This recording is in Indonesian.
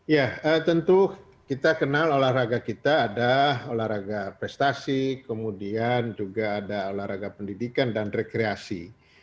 ya tentu kita kenal olahraga kita ada olahraga prestasi kemudian juga ada olahraga pendidikan dan rekreasi